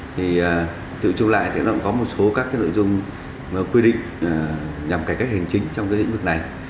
thì tự trung lại thì nó cũng có một số các nội dung quy định nhằm cải cách hành chính trong quy định vực này